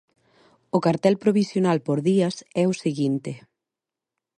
O cartel provisional por días é o seguinte.